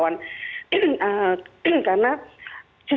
dan susun pal perusahaan ini